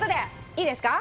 いいですか？